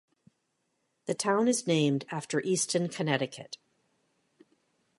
The town is named after Easton, Connecticut.